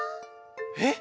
えっ？